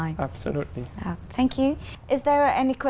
những thứ khác